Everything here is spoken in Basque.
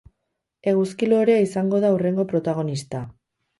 Eguzki-lorea izango da hurrengo protagonista.